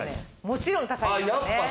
もちろん高いですよね。